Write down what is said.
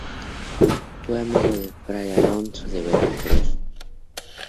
Fue amigo de fray Alonso de Veracruz.